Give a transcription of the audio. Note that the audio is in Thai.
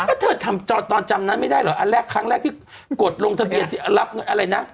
ก็เธอทำตอนจำนั้นไม่ได้เหรออันแรกครั้งแรกที่กดลงทะเบียนที่รับเงินอะไรนะ